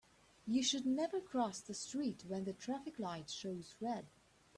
You should never cross the street when the traffic light shows red.